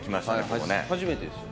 初めてですよね。